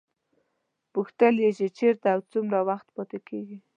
پوښتل یې چې چېرته او څومره وخت پاتې کېږي.